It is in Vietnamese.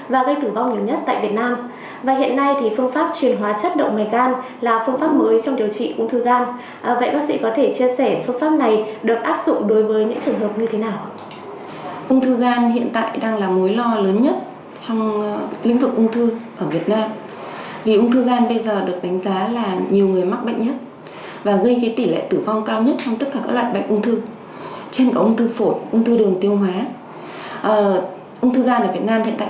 vậy bác sĩ có thể chia sẻ phương pháp này được áp dụng đối với những trường hợp như thế nào